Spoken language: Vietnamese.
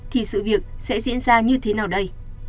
thì sự việc sẽ diễn ra như thế nào đây